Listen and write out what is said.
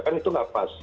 kan itu tidak pas